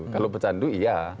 kalau pecandu iya